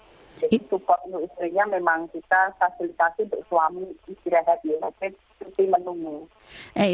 jadi untuk istrinya memang kita fasilitasi untuk suami istirahatnya jadi cuti menunggu